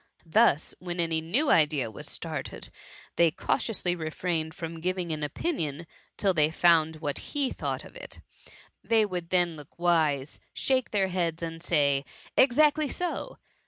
Thus, when any new idea was started, they cautiously refrained from giving an opinion till they found what he thought of it :— they would then look wise. THE MUMMYi 179 shake their heads, and say, '^ Exactly so!